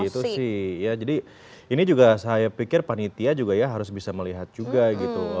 itu sih ya jadi ini juga saya pikir panitia juga ya harus bisa melihat juga gitu